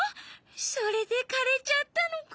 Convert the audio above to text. それでかれちゃったのか。